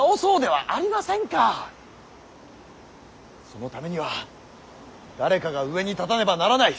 そのためには誰かが上に立たねばならない。